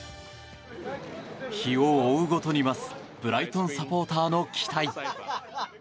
日を追うごとに増すブライトンサポーターの期待。